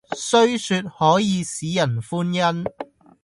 雖說可以使人歡欣，